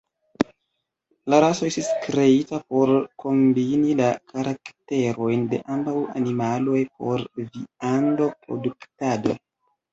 La raso estis kreita por kombini la karakterojn de ambaŭ animaloj por viando-produktado.